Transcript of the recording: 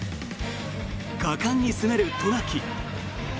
果敢に攻める渡名喜。